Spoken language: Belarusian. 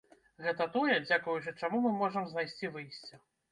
Гэта тое, дзякуючы чаму мы можам знайсці выйсце.